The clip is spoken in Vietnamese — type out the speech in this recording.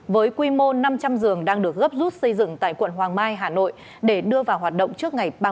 với quy mô năm trăm linh giường đang được gấp rút xây dựng tại quận hoàng mai hà nội để đưa vào hoạt động trước ngày ba mươi